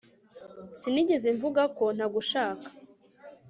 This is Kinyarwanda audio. Sinigeze mvuga ko ntagushaka